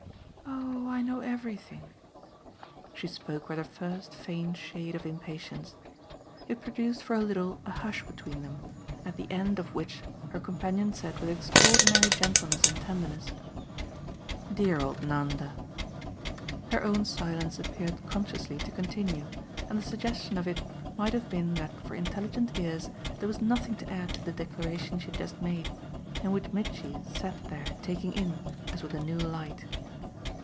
"Oh I know everything!" She spoke with her first faint shade of impatience. It produced for a little a hush between them, at the end of which her companion said with extraordinary gentleness and tenderness: "Dear old Nanda!" Her own silence appeared consciously to continue, and the suggestion of it might have been that for intelligent ears there was nothing to add to the declaration she had just made and which Mitchy sat there taking in as with a new light.